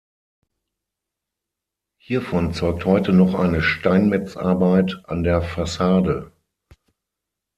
Hiervon zeugt heute noch eine Steinmetzarbeit an der Fassade.